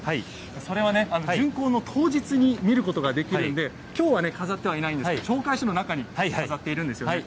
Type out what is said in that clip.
それは、巡行の当日に見ることができるのできょうは飾ってはいないんですけど町会所の中に飾っているんですよね。